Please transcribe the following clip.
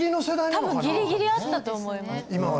多分ギリギリあったと思いますそうですね